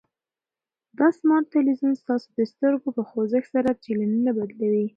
دا سمارټ تلویزیون ستاسو د سترګو په خوځښت سره چینلونه بدلوي.